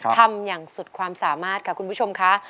ทำอย่างสุดความสามารถค่ะคุณผู้ชมค่ะ